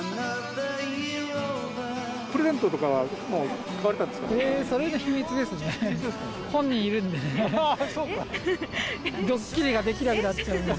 プレゼントとかはもう買われたんですか？